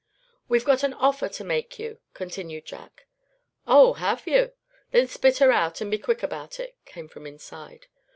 "We've got an offer to make you," continued Jack. "Oh! have yuh? Then spit her out, and be quick about it," came from inside.